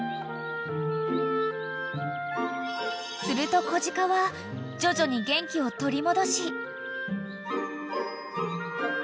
［すると子鹿は徐々に元気を取り戻し］